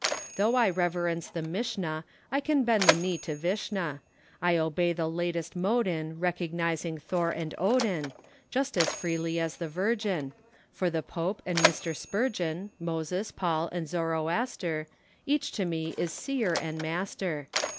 Though I reverence the Mishna, I can bend the knee to Vishna; I obey the latest mode in Recognizing Thor and Odin, Just as freely as the Virgin; For the Pope and Mr. Spurgeon, Moses, Paul and Zoroaster, Each to me is seer and master.